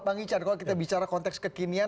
bang ican kalau kita bicara konteks kekinian